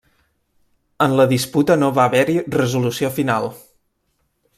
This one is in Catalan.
En la disputa no va haver-hi resolució final.